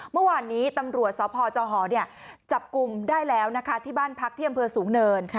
เมื่อวานนี้ตำรวจสพจหจับกลุ่มได้แล้วนะคะที่บ้านพักที่อำเภอสูงเนิน